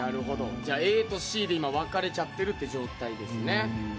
じゃあＡとＣで今分かれちゃってるって状態ですね。